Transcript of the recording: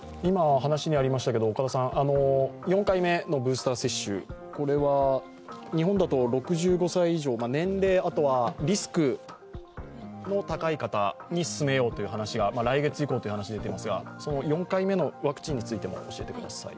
４回目のブースター接種は日本だと６５歳以上、年齢あとはリスクの高い方に進めようという話が来月以降という話が出ていますが、４回目のワクチンについても教えてください。